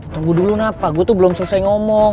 tunggu dulu napa gue tuh belum selesai ngomong